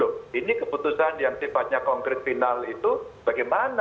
loh ini keputusan yang sifatnya konkret final itu bagaimana